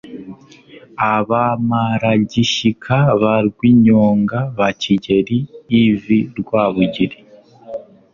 abamaragishyika ba rwinyonga rwa kigeli iv rwabugili